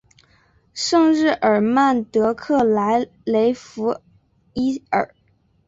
圣日尔曼德克莱雷弗伊尔。